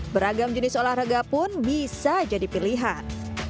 beragam jenis olahraga pun bisa jadi pilihan